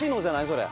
それ。